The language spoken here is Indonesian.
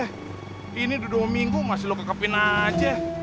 eh ini udah dua minggu masih lu kekepinan